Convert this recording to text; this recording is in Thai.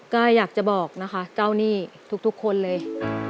ก็อยากจะบอกนะคะเจ้าหนี้ทุกคนเลย